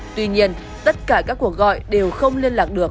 tuy nhiên tất cả các cuộc gọi đều không liên lạc được